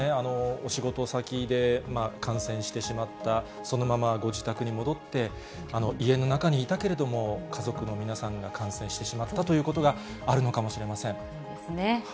お仕事先で感染してしまった、そのままご自宅に戻って、家の中にいたけれども、家族の皆さんが感染してしまったということがあるのかもしれませそうですね。